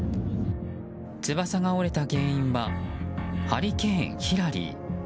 翼が折れた原因はハリケーン、ヒラリー。